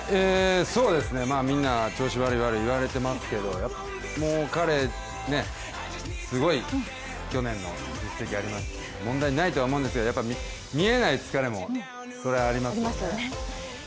みんな調子悪い悪い言われていますけれども、彼、すごい去年の実績がありますし、問題ないとは思うんですが、見えない疲れもそりゃありますよね。